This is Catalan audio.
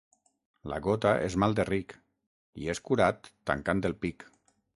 La gota és mal de ric i és curat tancant el pic.